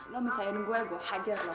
lu masih nunggu gue gue hajar lu